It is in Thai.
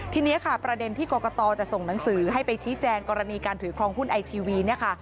ทีนี้ค่ะประเด็นที่กรกตจะส่งหนังสือให้ไปชี้แจงกรณีการถือครองหุ้นไอทีวีเนี่ยค่ะ